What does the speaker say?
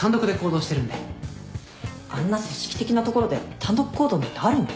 あんな組織的な所で単独行動なんてあるの？